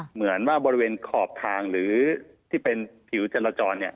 เหมือนว่าบริเวณขอบทางหรือที่เป็นผิวจรจร